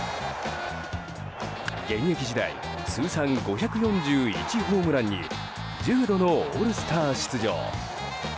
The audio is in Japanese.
現役時代通算５４１ホームランに１０度のオールスター出場。